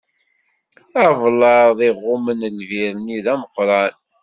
Ablaḍ iɣummen lbir-nni, d ameqran.